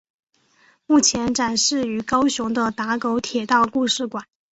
目前展示于高雄的打狗铁道故事馆。